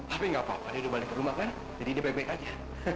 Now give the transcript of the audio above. tapi nggak apa apa dia udah balik ke rumah kan jadi dia bebek aja